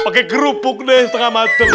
pakai kerupuk deh setengah macem